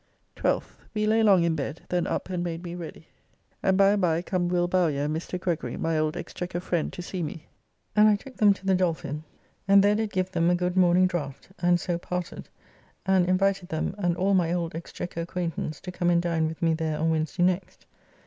12th. We lay long in bed, then up and made me ready, and by and by come Will Bowyer and Mr. Gregory, my old Exchequer friend, to see me, and I took them to the Dolphin and there did give them a good morning draft, and so parted, and invited them and all my old Exchequer acquaintance to come and dine with me there on Wednesday next.